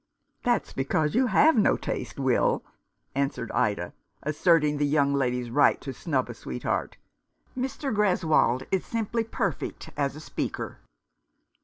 "That's because you have no taste, Will," answered Ida, asserting the young lady's right to snub a sweetheart. "Mr. Greswold is simply perfect as a speaker."